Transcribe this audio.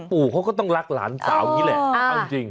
ปู่เขาก็ต้องรักหลานสาวอย่างนี้แหละเอาจริง